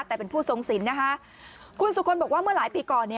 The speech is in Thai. แต่เป็นผู้ทรงสินนะคะคุณสุคลบอกว่าเมื่อหลายปีก่อน